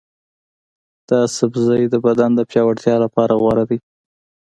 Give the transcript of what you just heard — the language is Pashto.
دا سبزی د بدن د پیاوړتیا لپاره غوره دی.